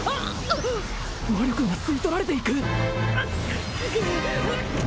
魔力が吸い取られていく！